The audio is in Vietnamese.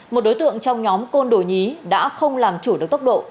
một đối tượng trong nhóm côn đồ nhí đã không làm chủ được tốc độ